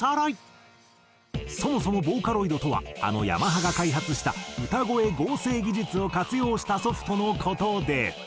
そもそもボーカロイドとはあのヤマハが開発した歌声合成技術を活用したソフトの事で。